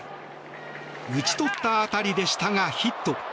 打ち取った当たりでしたがヒット。